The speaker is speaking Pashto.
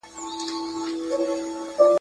وئېل ئې د ساه ګانو جوارۍ وته حيران دي ,